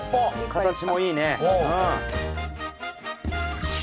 形もいいね。